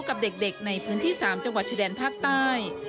กับเด็กในพื้นที่๓จังหวัดชายแดนภาคใต้